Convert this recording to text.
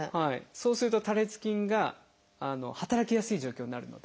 そうすると多裂筋が働きやすい状況になるので。